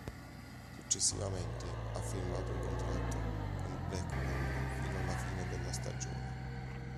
Successivamente, ha firmato un contratto con il Blackburn fino alla fine della stagione.